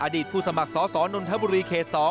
ผู้สมัครสอสอนนทบุรีเขต๒